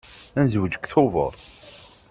Ad nezweǧ deg Tubeṛ.